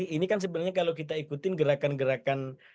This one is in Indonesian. ini kan sebenarnya kalau kita ikutin gerakan gerakan